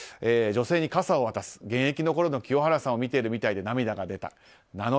女性に傘を渡す、現役のころの清原さんを見ているみたいで涙が出た。